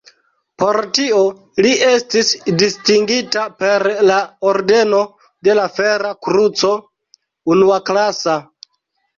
Por tio li estis distingita per la ordeno de la Fera Kruco unuaklasa.